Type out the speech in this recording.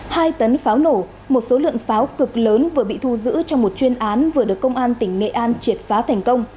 hai tấn pháo nổ một số lượng pháo cực lớn vừa bị thu giữ trong một chuyên án vừa được công an tỉnh nghệ an triệt phá thành công